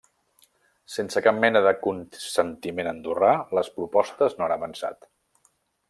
Sense cap mena de consentiment andorrà, les propostes no han avançat.